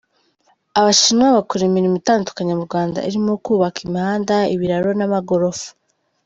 Abashinwa bakora imirimo itandukanye mu Rwanda irimo kubaka imihanda, ibiraro n’ amagorofa.